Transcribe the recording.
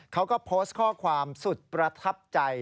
เขาก็โพสต์ข้อความสุดประทับใจ